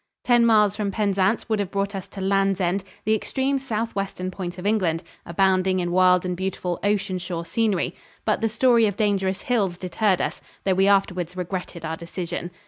Ten miles from Penzance would have brought us to Lands End the extreme southwestern point of England, abounding in wild and beautiful ocean shore scenery, but the story of dangerous hills deterred us, though we afterwards regretted our decision.